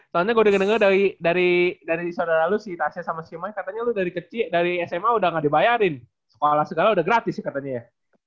sebenarnya gue udah denger dari saudara lo si tasya sama si mai katanya lo dari kecil dari sma udah gak dibayarin sekolah segala udah gratis sih katanya ya